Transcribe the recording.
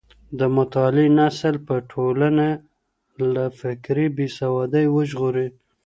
د مطالعې نسل به ټولنه له فکري بېسوادۍ وژغوري.